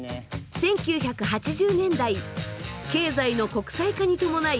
１９８０年代経済の国際化に伴い